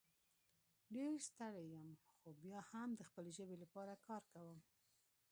ډېر ستړی یم خو بیا هم د خپلې ژبې لپاره کار کوم